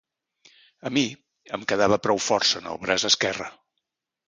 A mi, em quedava prou força en el braç esquerre